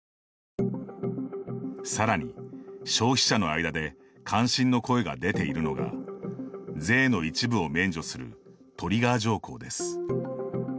さらに、消費者の間で関心の声が出ているのが税の一部を免除するトリガー条項です。